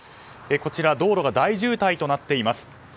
こちら、道路が大渋滞となっています。